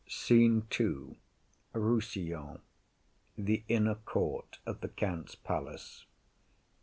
_] SCENE II. Rossillon. The inner court of the Countess's palace.